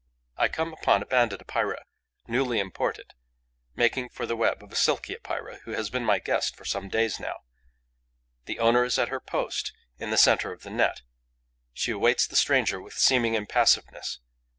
I come upon a Banded Epeira, newly imported, making for the web of a Silky Epeira who has been my guest for some days now. The owner is at her post, in the centre of the net. She awaits the stranger with seeming impassiveness.